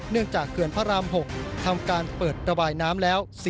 จากเขื่อนพระราม๖ทำการเปิดระบายน้ำแล้ว